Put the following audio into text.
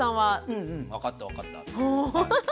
「うんうん分かった分かった」って。